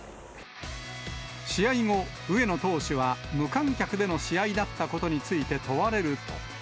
試合後、上野投手は無観客での試合だったことについて問われると。